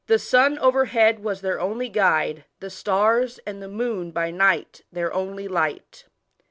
T 39 sun overhead was their only, 'guide, the stars and the moon by night th'eir only light.